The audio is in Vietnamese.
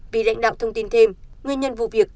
vì lãnh đạo thông tin thêm nguyên nhân vụ việc